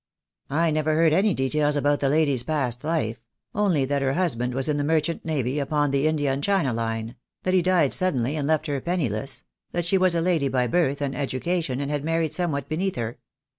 "I never heard any details about the lady's past life; only that her husband was in the merchant navy, upon the India and China line — that he died suddenly and left her penniless — that she was a lady by birth and education, and had married somewhat beneath her.